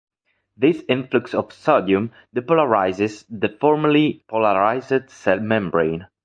This influx of sodium depolarizes the formerly polarized cell membrane.